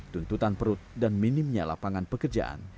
tuntutan perut dan minimnya lapangan pekerjaan